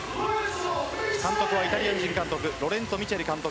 監督はイタリア人監督ロレンツォ・ミチェリ監督。